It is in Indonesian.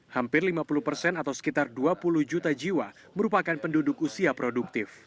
hampir lima puluh persen atau sekitar dua puluh juta jiwa merupakan penduduk usia produktif